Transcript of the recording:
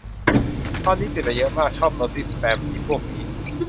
ตอนนี้ปิดไปเยอะมาก ชอบโนติสแปม อิพวกนี้